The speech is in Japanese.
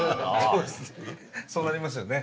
そうなりますよね。